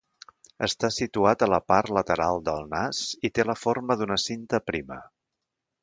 Està situat a la part lateral del nas i té la forma d'una cinta prima.